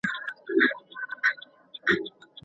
زده کړه باید د جبر پر بنسټ نه وي.